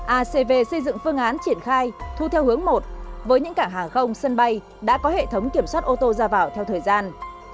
acv xây dựng phương án triển khai thu theo hướng một với những cảng hàng không sân bay đã có hệ thống kiểm soát ô tô ra vào theo thời gian